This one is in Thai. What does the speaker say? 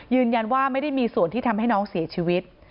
ยืนยันว่าไม่ได้มีส่วนที่ทำให้น้องเสียชีวิต